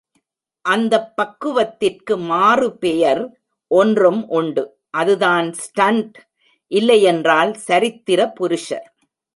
அந்தப் பக்குவத்திற்கு மாறு பெயர் ஒன்றும் உண்டு அதுதான் ஸ்டண்ட்! இல்லையென்றால், சரித்திர புருஷர்.